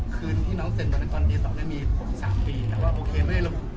คืนที่น้องเซ็นวันกว่าเกินที่สองน่ะมีครบสามปีแต่ว่าโอเคไม่ได้ลง